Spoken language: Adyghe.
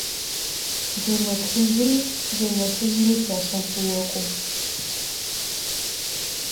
Джэнэ плъыжьыри джэнэ фыжьыри лъэшэу къыокӀу.